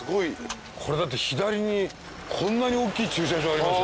これだって左にこんなにおっきい駐車場ありますよ。